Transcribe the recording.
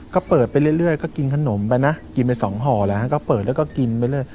ก็เปิดไปเรื่อยก็กินขนมไปนะกินไปสองห่อแล้วก็เปิดแล้วก็กินไปเรื่อย